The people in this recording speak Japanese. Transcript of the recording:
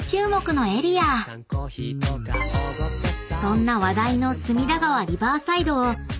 ［そんな話題の隅田川リバーサイドをサスティな！